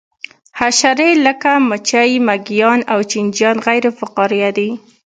حشرې لکه مچۍ مېږیان او چینجیان غیر فقاریه دي